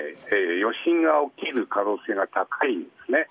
余震が起きる可能性が高いんですね。